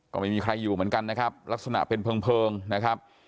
ก็ไม่มีใครอยู่เหมือนกันนะครับลักษณะเป็นเพลิงนะครับ